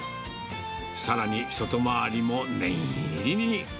さらに、外回りも念入りに。